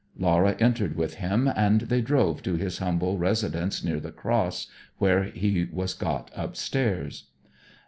Laura entered with him, and they drove to his humble residence near the Cross, where he was got upstairs.